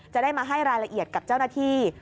จะได้มาให้รายละเอียดกับเจ้าหน้าที่